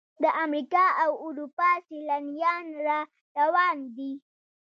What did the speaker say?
د امریکا او اروپا سیلانیان را روان دي.